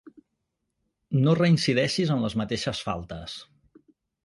No reincideixis en les mateixes faltes.